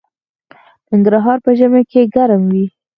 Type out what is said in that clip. ننګرهار په ژمي کې ګرم وي